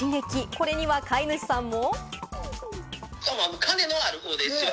これには飼い主さんも。